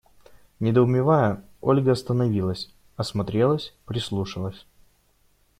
Недоумевая, Ольга остановилась, осмотрелась, прислушалась.